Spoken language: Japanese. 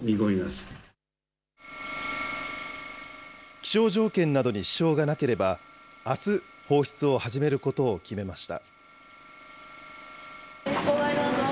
気象条件などに支障がなければ、あす放出を始めることを決めました。